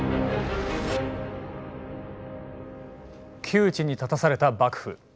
窮地に立たされた幕府。